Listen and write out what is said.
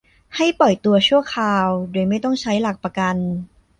ให้ปล่อยตัวชั่วคราว โดยไม่ต้องใช้หลักประกัน